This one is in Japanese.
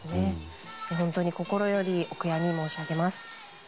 心よりお悔やみを申し上げます。